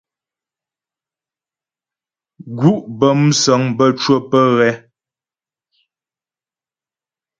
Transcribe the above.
Gǔ' bə́ músəŋ bə́ cwə́ pə́ ghɛ.